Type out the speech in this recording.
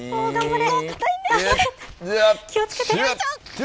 気をつけて。